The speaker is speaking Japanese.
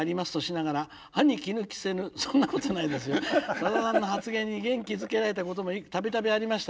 「さださんの発言に元気づけられたことも度々ありました。